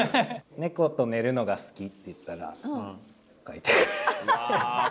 猫と寝るのが好きって言ったら描いてくれた。